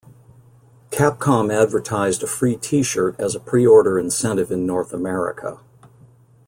Capcom advertised a free T-shirt as a pre-order incentive in North America.